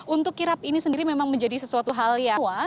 untuk kirap ini sendiri memang menjadi sesuatu hal ya